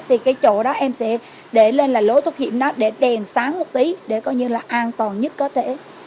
thì cái chỗ đó em sẽ để lên là lối thoát hiểm đó để đèn sáng một tí để coi như là an toàn nhất có thể